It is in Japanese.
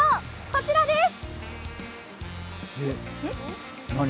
こちらです。